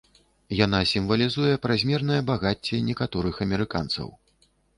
Яна сімвалізуе празмернае багацце некаторых амерыканцаў.